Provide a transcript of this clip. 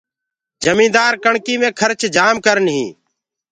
جميدآ ڪڻڪي مي کرچ جآم ڪرن هينٚ۔